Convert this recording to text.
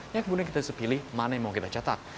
ya kemudian kita bisa pilih mana yang mau kita catat